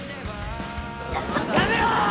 やめろ！